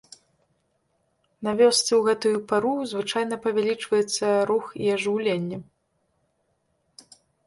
На вёсцы ў гэтую пару звычайна павялічваецца рух і ажыўленне.